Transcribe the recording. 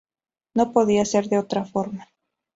No podía ser de otra forma.